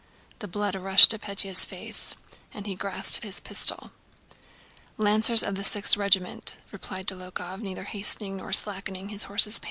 The blood rushed to Pétya's face and he grasped his pistol. "Lanciers du 6 me," * replied Dólokhov, neither hastening nor slackening his horse's pace.